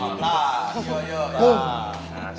nah yuk yuk yuk